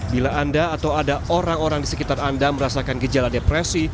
bila anda atau ada orang orang di sekitar anda merasakan gejala depresi